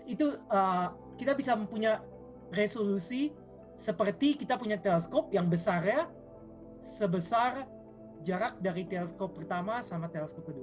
itu kita bisa mempunyai resolusi seperti kita punya teleskop yang besarnya sebesar jarak dari teleskop pertama sama teleskop dua